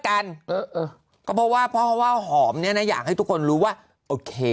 กันเออเออก็เพราะว่าเพราะว่าหอมเนี้ยนะอยากให้ทุกคนรู้ว่าโอเค